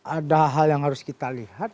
ada hal hal yang harus kita lihat